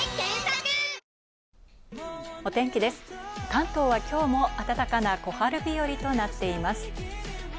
関東は今日も暖かな小春日和となっています。